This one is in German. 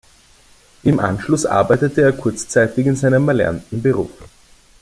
Im Anschluss arbeitete er kurzzeitig in seinem erlernten Beruf.